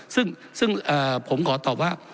ซึ่งผมขอตอบว่า